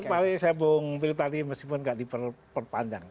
tertarik saya bongg bongg tadi meskipun nggak diperpanjang